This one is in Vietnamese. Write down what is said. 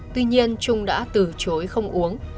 tuy nhiên trung đã từ chối không uống